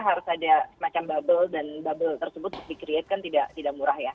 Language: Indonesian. harus ada semacam bubble dan bubble tersebut di create kan tidak murah ya